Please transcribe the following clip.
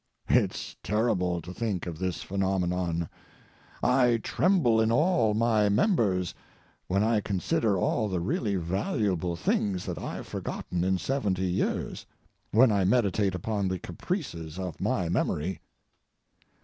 It's terrible to think of this phenomenon. I tremble in all my members when I consider all the really valuable things that I've forgotten in seventy years—when I meditate upon the caprices of my memory.